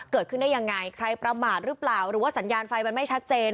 เกิดขึ้นได้ยังไงใครประมาทหรือเปล่าหรือว่าสัญญาณไฟมันไม่ชัดเจน